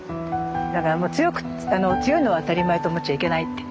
だからもう強く強いのは当たり前と思っちゃいけないって。